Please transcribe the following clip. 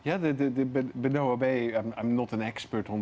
ya benoa bay saya bukan seorang ekspert di sana